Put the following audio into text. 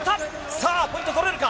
さあ、ポイントを取れるか。